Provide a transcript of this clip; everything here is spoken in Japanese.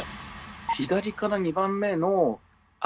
左から２番目の赤。